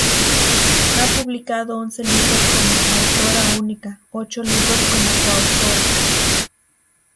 Ha publicado once libros como autora única, ocho libros como coautora.